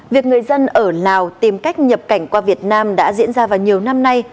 việc người dân ở lào tìm cách nhập cảnh qua việt nam đã diễn ra vào nhiều năm nay